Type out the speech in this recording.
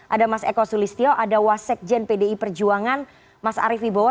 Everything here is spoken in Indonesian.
ada mas eko silistio ada wasek jen pdi perjuangan mas arief wibowo